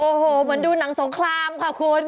โอ้โหเหมือนดูหนังสงครามค่ะคุณ